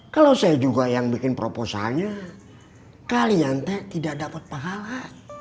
kalau saya juga yang bikin proposalnya kalian teh tidak dapat pahala